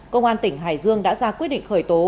công an tỉnh hải dương đã ra quyết định khởi tố